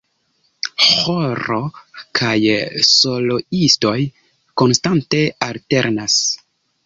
Ĥoro kaj soloistoj konstante alternas.